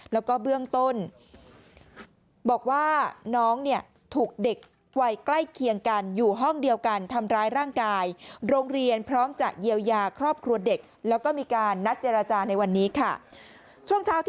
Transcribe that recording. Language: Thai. แล้วก็เบื้องต้นบอกว่าน้องเนี่ยถูกเด็กวัยใกล้เคียงกันอยู่ห้องเดียวกันทำร้ายร่างกายโรงเรียนพร้อมจะเยียวยาครอบครัวเด็กแล้วก็มีการนัดเจรจาในวันนี้ค่ะ